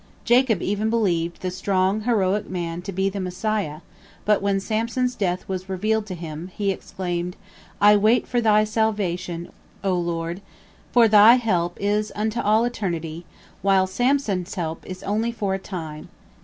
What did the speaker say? Jacob even believed the strong, heroic man to be the Messiah, but when Samson's death was revealed to him, he exclaimed, "I wait for Thy salvation, O Lord, for Thy help is unto all eternity, while Samson's help is only for a time.